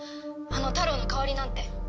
あのタロウの代わりなんて。